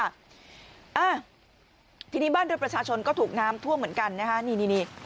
อ่าทีนี้บ้านเรือประชาชนก็ถูกน้ำท่วมเหมือนกันนะคะนี่นี่